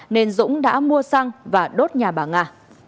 nên dũng đã mua xăng và đốt nhà bà nga